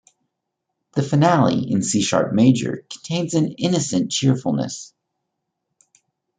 The finale, in C-sharp major, contains an innocent cheerfulness.